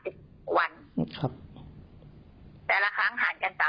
แล้วเมื่อมีทนายคนไหนเข้ามา